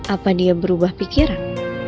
apa dia berubah pikiran